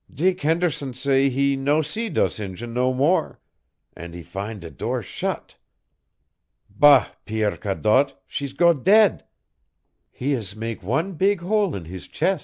Dick Henderson say he no see dose Injun no more, an' he fin' de door shut. Bâ Pierre Cadotte, she's go dead. He is mak' wan beeg hole in hees ches'."